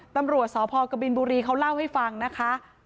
ตำรวจสพกบินบุรีเขาเล่าให้ฟังนะคะ